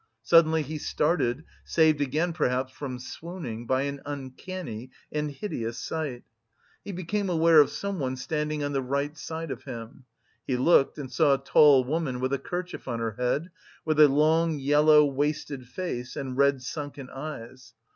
Suddenly he started, saved again perhaps from swooning by an uncanny and hideous sight. He became aware of someone standing on the right side of him; he looked and saw a tall woman with a kerchief on her head, with a long, yellow, wasted face and red sunken eyes.